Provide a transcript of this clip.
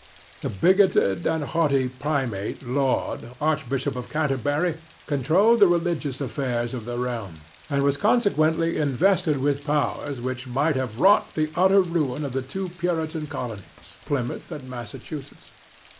The bigoted and haughty primate Laud, archbishop of Canterbury, controlled the religious affairs of the realm, and was consequently invested with powers which might have wrought the utter ruin of the two Puritan colonies, Plymouth and Massachusetts.